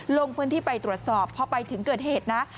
ลงพื้นที่ไปตรวจสอบพอไปถึงเกิดเหตุนะ